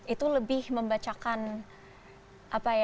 itu lebih membacakan apa ya